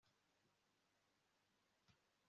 ndashaka kubikomeza gutya